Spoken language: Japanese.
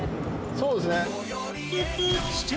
そうですね。